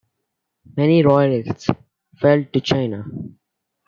Many royalists fled to China.